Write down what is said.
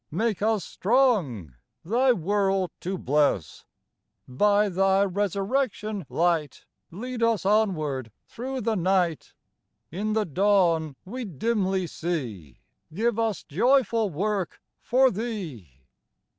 Make us strong, Thy world to bless I By Thy resurrection light Lead us onward through the night ! In the dawn we dimly see, Give us joyful work for Thee